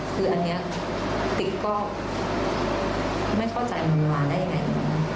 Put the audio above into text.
คืออันนี้ติก็ไม่เข้าใจมันมาได้ยังไง